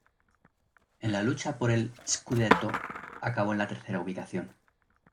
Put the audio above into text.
En la lucha por el "scudetto", acabó en la tercera ubicación.